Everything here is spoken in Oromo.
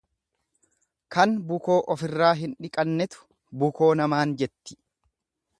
Kan bukoo ofirraa hin dhiqannetu bukoo namaan jetti.